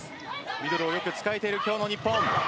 ミドルをよく使えている今日の日本。